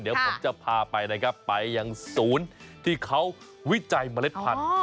เดี๋ยวผมจะพาไปนะครับไปยังศูนย์ที่เขาวิจัยเมล็ดพันธุ